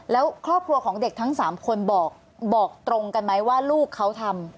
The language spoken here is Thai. แล้วครอบครัวของเด็กทั้ง๓คนบอกตรงกันไหมว่าลูกเขาทำ